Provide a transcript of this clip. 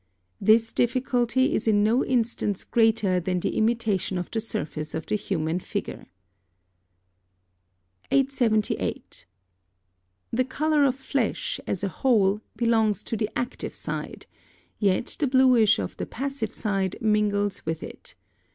This difficulty is in no instance greater than in the imitation of the surface of the human figure. 878. The colour of flesh, as a whole, belongs to the active side, yet the bluish of the passive side mingles with it.